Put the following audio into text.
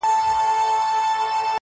یوار مسجد ته ګورم، بیا و درمسال ته ګورم.